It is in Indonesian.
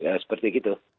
ya seperti itu